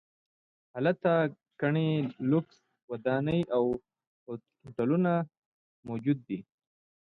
هلته ګڼې لوکسې ودانۍ او هوټلونه موجود دي.